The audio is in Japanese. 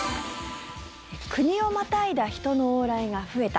国をまたいだ人の往来が増えた